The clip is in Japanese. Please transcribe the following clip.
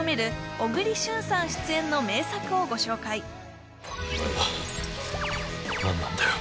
小栗旬さん出演の名作をご紹介おまえら何なんだよ